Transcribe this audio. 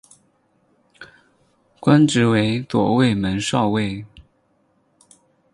官职为左卫门少尉。